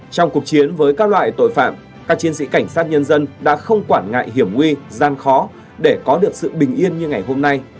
trong cuộc chiến với các loại tội phạm các chiến sĩ cảnh sát nhân dân đã không quản ngại hiểm nguy gian khó để có được sự bình yên như ngày hôm nay